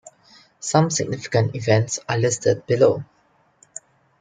Some significant events are listed below.